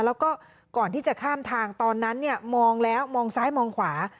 แล้วก็ก่อนที่จะข้ามทางตอนนั้นเนี่ยมองแล้วมองซ้ายมองขวา